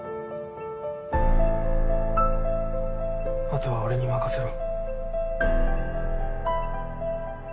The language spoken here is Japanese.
あとは俺に任せろ。